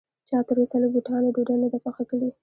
چا تر اوسه له بوټانو ډوډۍ نه ده پخه کړې